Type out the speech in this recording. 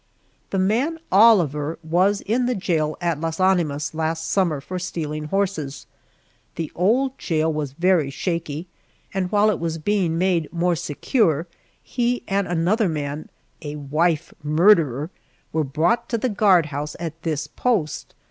The man Oliver was in the jail at Las Animas last summer for stealing horses. The old jail was very shaky, and while it was being made more secure, he and another man a wife murderer were brought to the guardhouse at this post.